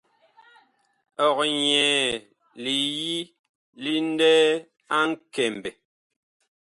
Ɔg nyɛɛ liyi ŋlɛɛ a Nkɛmbɛ.